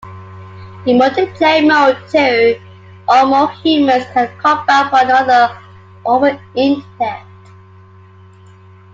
In Multiplayer mode two or more humans can combat one another over the Internet.